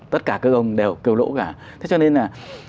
tất cả cơ công đều kêu lỗ cả thế cho nên là